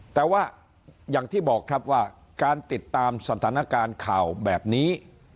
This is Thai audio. แต่ว่าอย่างที่บอกครับว่าการติดตามสถานการณ์ข่าวแบบนี้